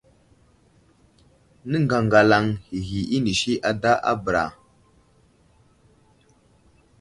Nəŋgagalaŋ ghi inisi ada bəra .